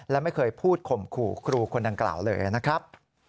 และไม่เคยพูดข่มขู่ครูคนดังกล่าวเลยนะครับ